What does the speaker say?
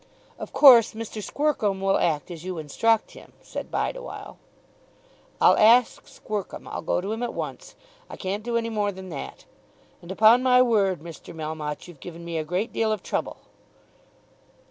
"Of course Mr. Squercum will act as you instruct him," said Bideawhile. "I'll ask Squercum. I'll go to him at once. I can't do any more than that. And upon my word, Mr. Melmotte, you've given me a great deal of trouble."